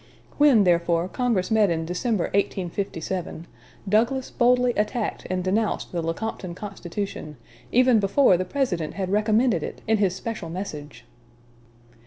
When, therefore, Congress met in December, 1857, Douglas boldly attacked and denounced the Lecompton Constitution, even before the President had recommended it in his special message.